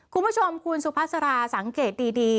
คุณผู้ชมคุณสุภาษาราสังเกตดี